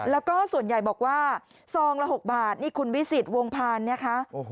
แล้วก็ส่วนใหญ่บอกว่าซองละ๖บาทนี่คุณวิสิตวงพานนะคะ